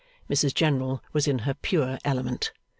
Mrs General was in her pure element.